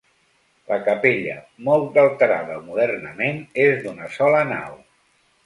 La capella, molt alterada modernament, és d'una sola nau.